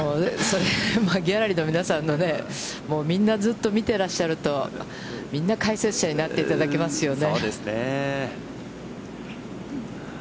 ギャラリーの皆さんのね、みんな、ずっと見ていらっしゃると、みんな解説者になっていただけますよね。